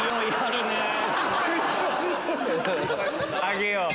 あげよう。